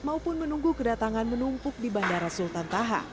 maupun menunggu kedatangan menumpuk di bandara sultan taha